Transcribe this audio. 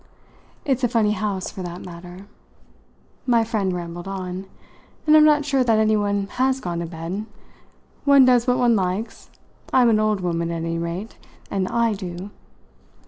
It's a funny house, for that matter," my friend rambled on, "and I'm not sure that anyone has gone to bed. One does what one likes; I'm an old woman, at any rate, and I do!"